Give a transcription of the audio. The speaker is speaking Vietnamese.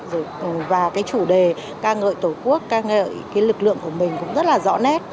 rồi và cái chủ đề ca ngợi tổ quốc ca ngợi cái lực lượng của mình cũng rất là rõ nét